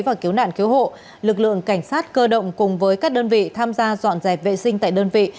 và cứu nạn cứu hộ lực lượng cảnh sát cơ động cùng với các đơn vị tham gia dọn dẹp vệ sinh tại đơn vị